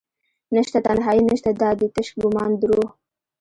نشته تنهایې نشته دادي تش ګمان دروح